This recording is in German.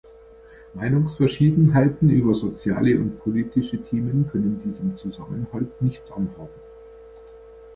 Meinungsverschiedenheiten über soziale und politische Themen können diesem Zusammenhalt nichts anhaben.